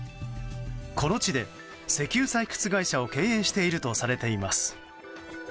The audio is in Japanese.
この地で石油採掘会社を経営しているとされています。